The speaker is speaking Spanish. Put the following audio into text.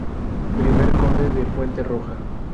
Primer Conde de Fuente Roja.